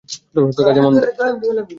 তুই কাজে মন দে।